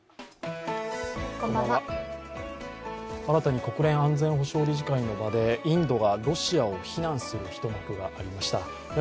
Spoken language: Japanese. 新たに国連安全保障理事会の場でインドがロシアを非難する一幕がありました。